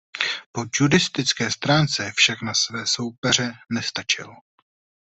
Po judistické stránce však na své soupeře nestačil.